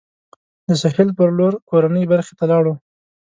د سهیل پر لور کورنۍ برخې ته لاړو.